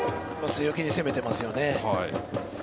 強気に攻めていますね。